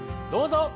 どうぞ。